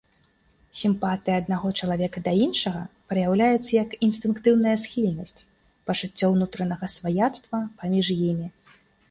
Сімпатыя аднаго чалавека да іншага праяўляецца як інстынктыўная схільнасць, пачуццё ўнутранага сваяцтва паміж імі.